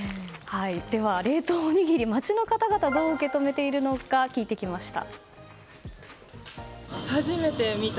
では、冷凍おにぎり街の方はどう受け止めているのか聞いてきました。